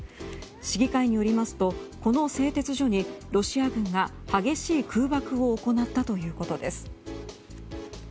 市議会によりますとこの製鉄所にロシア軍が激しい空爆を行ったということです。